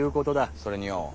それによォ